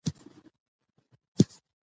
احمدشاه بابا به د هر چا ستونزه اوريدله.